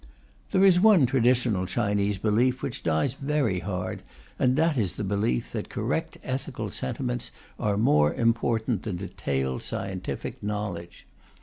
There is one traditional Chinese belief which dies very hard, and that is the belief that correct ethical sentiments are more important then detailed scientific knowledge.